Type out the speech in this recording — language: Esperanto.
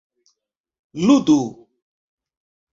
ludu